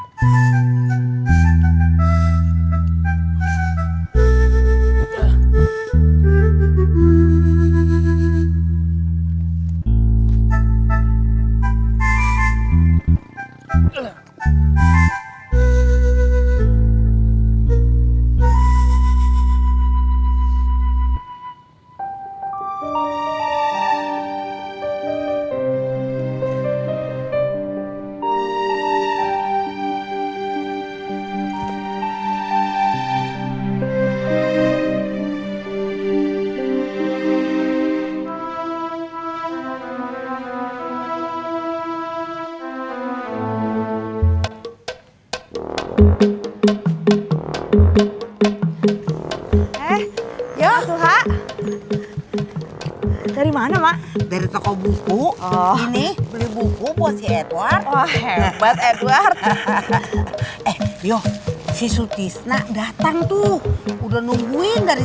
jangan lupa subscribe channel ini